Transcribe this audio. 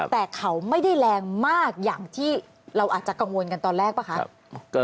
แต่เขาไม่ได้แรงมากอย่างที่เราอาจจะกังวลกันตอนแรกป่ะคะ